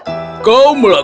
pangeran yang bahagia